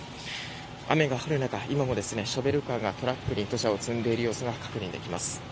雨が降る中、今もショベルカーがトラックに土砂を積んでいる様子が確認できます。